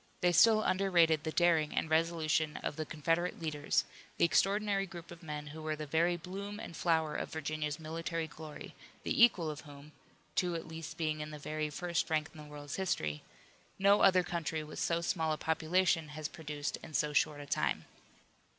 They still underrated the daring and resolution of the Confederate leaders, the extraordinary group of men who were the very bloom and flower of Virginia's military glory, the equal of whom two at least being in the very first rank in the world's history no other country with so small a population has produced in so short a time.